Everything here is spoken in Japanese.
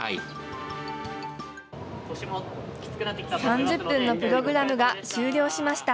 ３０分のプログラムが終了しました。